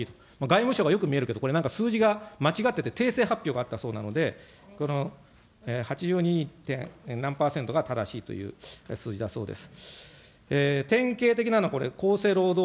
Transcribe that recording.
外務省がよくみえるけど、これなんか数字が間違っていて、訂正発表があったそうなので、８２．何％が正しいという数字だそうです。